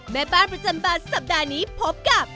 แม่บ้านประจำบานสัปดาห์นี้พบกับ